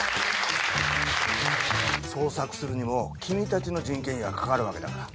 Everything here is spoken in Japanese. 捜索するにも君たちの人件費がかかるわけだから。